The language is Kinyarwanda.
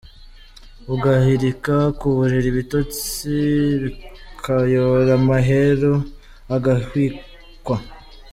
Ugahirika ku buriri ibitotsi bikayora mahero agahwikwa.